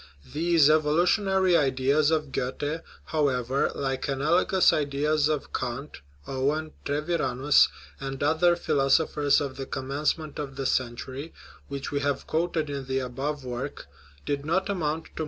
These evolutionary ideas of Goethe, however, like analogous ideas of Kant, Owen, Treviranus, and other philosophers of the com mencement of the century (which we have quoted in the above work), did not amount to more than certain * Cf.